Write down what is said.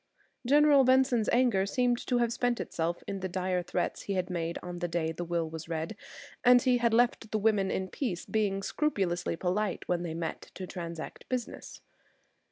General Benson's anger seemed to have spent itself in the dire threats he had made on the day the will was read; he had left the women in peace, being scrupulously polite when they met to transact business.